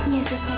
ya suster ya